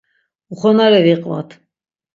Uxonare viqvat.